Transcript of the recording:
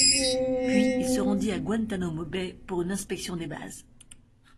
Puis il se rendit à Guantanamo Bay pour une inspection des bases.